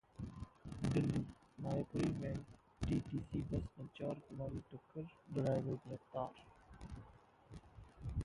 दिल्ली: मायापुरी में DTC bus ने चार को मारी टक्कर, ड्राइवर गिरफ्तार